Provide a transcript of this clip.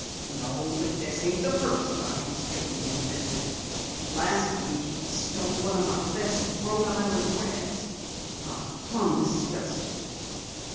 "No, but this ain't the first time he's paid me a visit. Last week he stole one of my best Rhode Island Reds. I'm plumb disgusted."